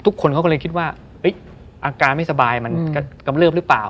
ทุกคนเขาก็เลยคิดว่าอาการไม่สบายมันก็กำเริบหรือเปล่า